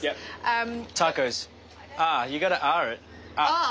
ああ。